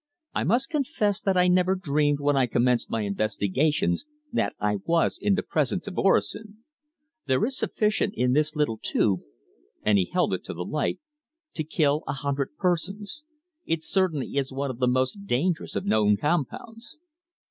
I must confess that I never dreamed when I commenced my investigations that I was in the presence of orosin. There is sufficient in this little tube" and he held it to the light "to kill a hundred persons. It certainly is one of the most dangerous of known compounds."